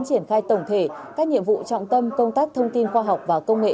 triển khai tổng thể các nhiệm vụ trọng tâm công tác thông tin khoa học và công nghệ